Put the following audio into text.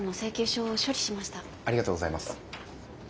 ありがとうございます。